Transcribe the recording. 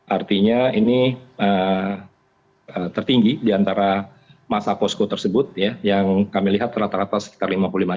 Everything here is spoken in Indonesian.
artinya ini tertinggi di antara masa posko tersebut yang kami lihat rata rata sekitar lima puluh lima